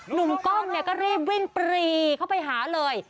หนุ่มกล้องเนี่ยก็รีบวิ่งปรีเข้าไปหาเลย